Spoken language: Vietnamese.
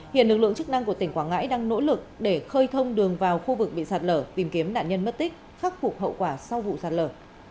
hiện lực lượng chức năng của tỉnh quảng ngãi đang nỗ lực để khơi thông đường vào khu vực bị sạt lở tìm kiếm nạn nhân mất tích khắc phục hậu quả sau vụ sạt lở